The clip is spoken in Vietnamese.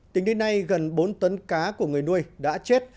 tính đến nay gần bốn tấn cá của người nuôi đã chết